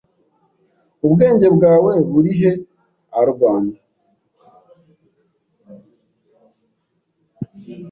Ubwenge bwawe burihearwanda?